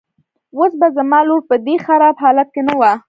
اوس به زما لور په دې خراب حالت کې نه وه.